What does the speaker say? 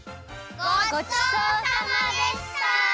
ごちそうさまでした！